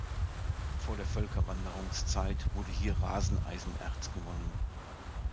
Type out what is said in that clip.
Vor der Völkerwanderungszeit wurde hier Raseneisenerz gewonnen.